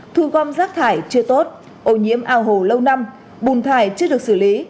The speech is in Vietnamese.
thu gom rác thải chưa tốt ô nhiễm ao hồ lâu năm bùn thải chưa được xử lý